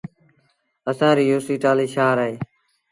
اسآݩ ريٚ يوسي ٽآلهيٚ شآهر اهي